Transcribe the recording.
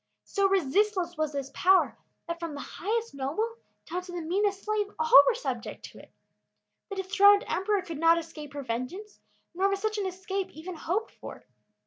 So resistless was this power, that from the highest noble down to the meanest slave, all were subject to it. The dethroned emperor could not escape her vengeance, nor was such an escape even hoped for.